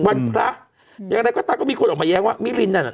ยังไงก็ตั้งกับมีคนออกมาแยกว่ามิรินนะ